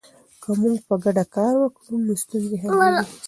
که موږ په ګډه کار وکړو نو ستونزې حلیږي.